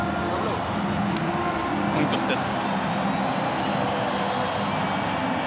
コイントスです。